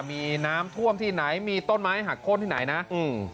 มีน้ำท่วมที่ไหนมีต้นไม้หักโค้นที่ไหนนะอืม